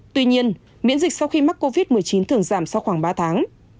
tuy nhiên miễn dịch sau khi mắc covid một mươi chín thường giảm sau khoảng ba tháng